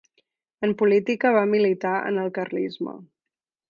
En política va militar en el carlisme.